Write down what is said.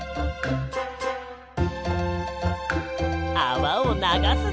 あわをながすぞ！